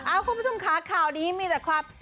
คุณผู้ชมค่ะข่าวนี้มีแต่ความ